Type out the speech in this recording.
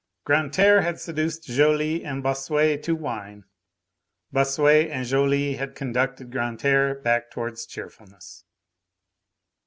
Grantaire had seduced Joly and Bossuet to wine; Bossuet and Joly had conducted Grantaire back towards cheerfulness.